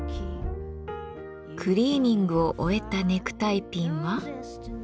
クリーニングを終えたネクタイピンは？